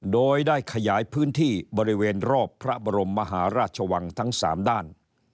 โดยได้ขยายพื้นที่บริเวณรอบพระบรมมหาราชวังทั้ง๓ด้าน